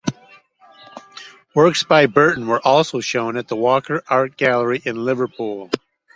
Works by Burton were also shown at the Walker Art Gallery in Liverpool.